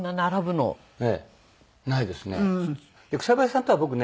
草笛さんとは僕ね